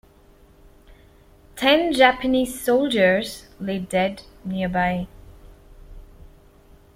Ten Japanese soldiers lay dead nearby.